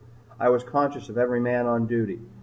I was conscious of every man on duty.